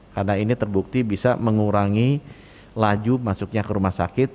karena ini terbukti bisa mengurangi laju masuknya ke rumah sakit